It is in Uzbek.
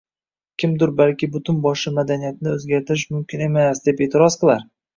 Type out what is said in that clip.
Kimdur balki butun boshli madaniyatni o‘zgartirish mumkin emas, deb e’tiroz qilar.